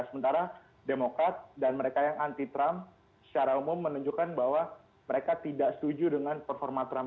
sementara demokrat dan mereka yang anti trump secara umum menunjukkan bahwa mereka tidak setuju dengan performa trump